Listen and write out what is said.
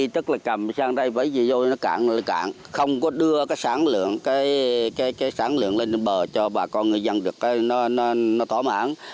cảng cá phường phú đông không có đưa sản lượng lên bờ cho bà con ngư dân được thỏa mãn